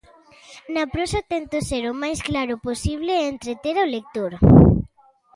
Na prosa tento ser o máis claro posible e entreter ao lector.